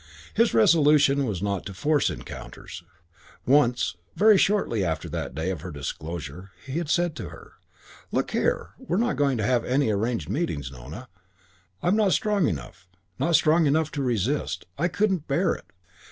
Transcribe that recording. His resolution was not to force encounters. Once, very shortly after that day of her disclosure, he had said to her, "Look here, we're not going to have any arranged meetings, Nona. I'm not strong enough not strong enough to resist. I couldn't bear it."